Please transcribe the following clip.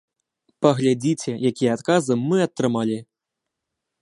Паглядзіце, якія адказы мы атрымалі.